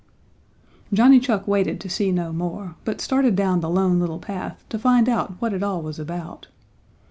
Johnny Chuck waited to see no more, but started down the Lone Little Path to find out what it all was about.